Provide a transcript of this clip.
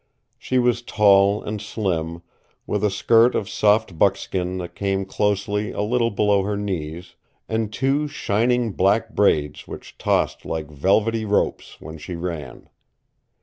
She was tall and slim, with a skirt of soft buckskin that came only a little below her knees, and two shining black braids which tossed like velvety ropes when she ran.